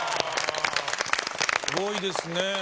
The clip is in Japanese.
すごいですね。